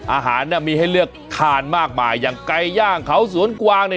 อาหารน่ะมีให้เลือกทานมากมายอย่างไก่ย่างเขาสวนกวางเนี่ย